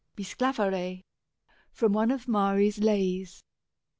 BISCLAVERET. (_From one of Marie's Lays.